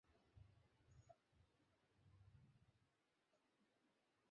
Hello, whip, বাড়িতে থাকলে, call receive করো।